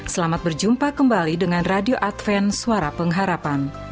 selamat berjumpa kembali dengan radio advent suara pengharapan